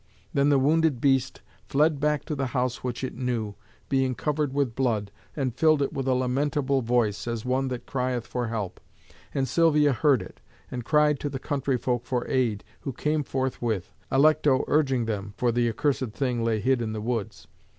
Then the wounded beast fled back to the house which it knew, being covered with blood, and filled it with a lamentable voice, as one that crieth for help. And Silvia heard it, and cried to the country folk for aid, who came forthwith, Alecto urging them (for the accursed thing lay hid in the woods).